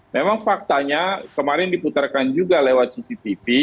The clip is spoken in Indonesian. memang faktanya kemarin diputarkan juga lewat cctv